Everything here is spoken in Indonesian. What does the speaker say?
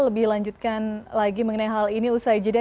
lebih lanjutkan lagi mengenai hal ini usai jeda